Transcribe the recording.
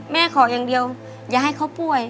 ขออย่างเดียวอย่าให้เขาป่วย